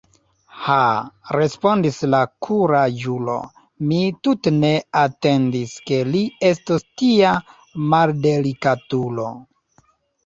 Ha, respondis la kuraĝulo, mi tute ne atendis, ke li estos tia maldelikatulo!